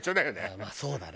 まあそうだね。